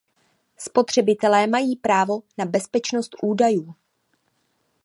Spotřebitelé mají právo na bezpečnost údajů.